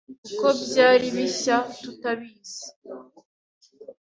kuko byari bishya tutabizi,